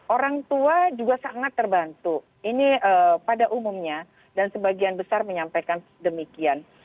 orang tua juga sangat terbantu ini pada umumnya dan sebagian besar menyampaikan demikian